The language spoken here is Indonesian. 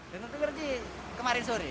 dan itu berarti kemarin sore